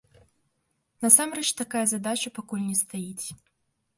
Насамрэч такая задача пакуль не стаіць.